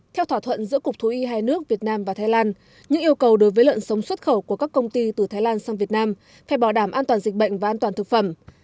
theo thỏa thuận giữa cục thú y hai nước việt nam và thái lan những yêu cầu đối với lợn sống xuất khẩu của các công ty từ thái lan sang việt nam phải bảo đảm an toàn dịch bệnh và an toàn thực phẩm